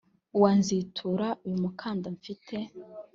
Uwanzitura uyu mukanda mfite